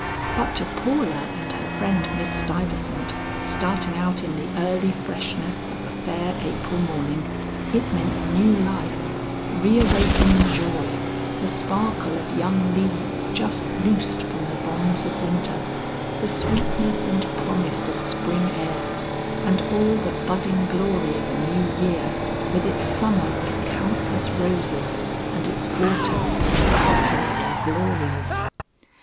But to Paula and her friend Miss Stuyvesant starting out in the early freshness of a fair April morning, it meant new life, reawakening joy, the sparkle of young leaves just loosed from the bonds of winter, the sweetness and promise of spring airs, and all the budding glory of a new year with its summer of countless roses and its autumn of incalculable glories.